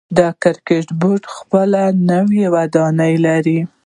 د کرکټ بورډ خپل نوی ودانۍ لري.